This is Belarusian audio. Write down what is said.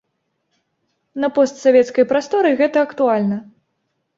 На постсавецкай прасторы гэта актуальна.